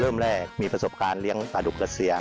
เริ่มแรกมีประสบการณ์เลี้ยงปลาดุกเกษีย